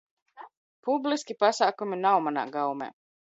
Publiski pasākumi nav manā gaumē!